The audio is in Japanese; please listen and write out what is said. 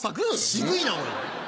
渋いなおい。